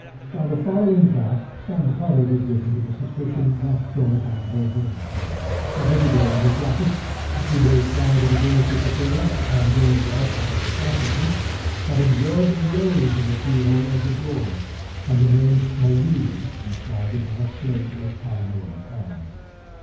By the following fact, some color was given to the suspicion thus thrown upon Beauvais. A visitor at his office, a few days prior to the girl's disappearance, and during the absence of its occupant, had observed a rose in the key hole of the door, and the name "Marie" inscribed upon a slate which hung near at hand.